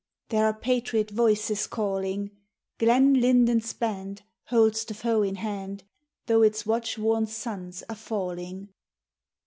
There are patriot voices calling! Glen Lynden's band Holds the foe in hand, Though its watch worn sons are falling.